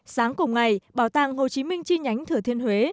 sáng cùng ngày bảo tàng hồ chí minh chi nhánh thừa thiên huế